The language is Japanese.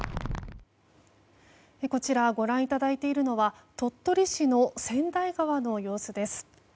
こちらご覧いただいているのは鳥取市の千代川の様子です。